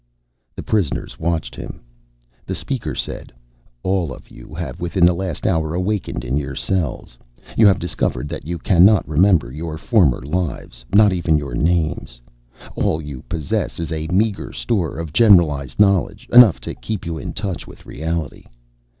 The prisoners watched him. The speaker said, "All of you have, within the last hour, awakened in your cells. You have discovered that you cannot remember your former lives not even your names. All you possess is a meager store of generalized knowledge; enough to keep you in touch with reality.